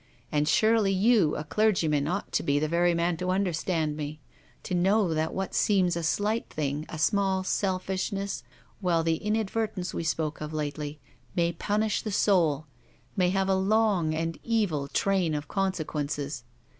And surely you, a clergyman, ought to be the very man to understand mc, to know how what seems a slight thing, a small selfishness, well, the inadvertence we spoke of lately, may punish the soul, may have a long and evil train of conse quences.